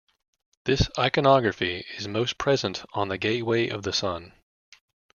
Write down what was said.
This iconography is most present on the Gateway of the Sun.